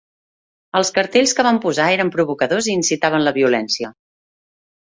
Els cartells que van posar eren provocadors i incitaven la violència.